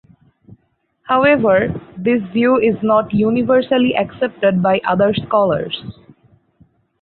However this view is not universally accepted by other scholars.